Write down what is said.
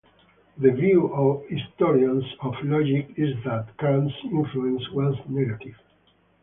The view of historians of logic is that Kant's influence was negative.